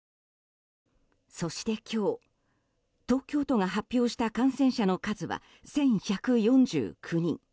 そして、今日東京都が発表した感染者の数は１１４９人。